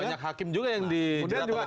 banyak hakim juga yang di jelatuh kpk